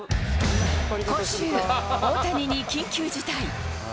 今週、大谷に緊急事態。